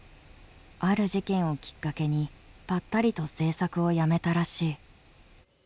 ある事件をきっかけにぱったりと製作をやめたらしい。